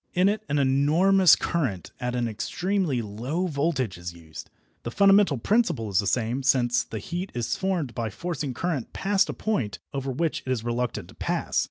In it an enormous current at an extremely low voltage is used. The fundamental principle is the same, since the heat is formed by forcing current past a point over which it is reluctant to pass.